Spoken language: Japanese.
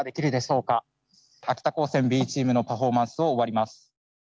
秋田高専Ｂチームのパフォーマンスを終わります。